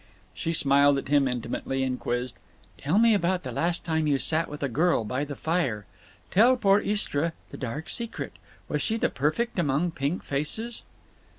She smiled at him intimately, and quizzed: "Tell me about the last time you sat with a girl by the fire. Tell poor Istra the dark secret. Was she the perfect among pink faces?"